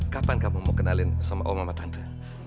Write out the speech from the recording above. kapan kamu mau kenalin sama om sama tante